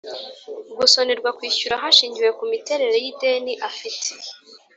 gusonerwa kwishyura hashingiwe ku miterere yideni afite